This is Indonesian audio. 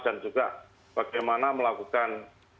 dan juga bagaimana melakukan